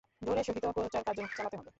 জোরের সহিত প্রচারকার্য চালাতে হবে।